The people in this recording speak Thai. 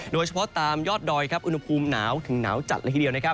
โดยเฉพาะตามยอดดอยอุณหภูมิหนาวถึงหนาวจัดละทีเดียว